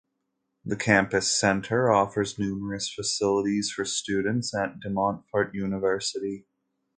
The Campus Centre offers numerous facilities for students at De Montfort University.